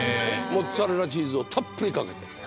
モッツァレラチーズをたっぷりかけて